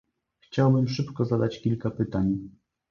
Chciałbym szybko zadać kilka pytań